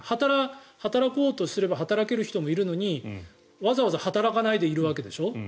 働こうとすれば働ける人もいるのにわざわざ働かないでいるわけでしょ。